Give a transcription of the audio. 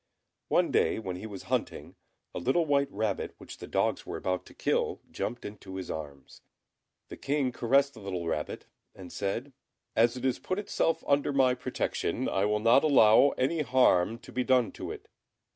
One day, when he was hunting, a little white rabbit which the dogs were about to kill, jumped into his arms. The King caressed the little rabbit, and said, "As it has put itself under my protection, I will not allow any harm to be done to it."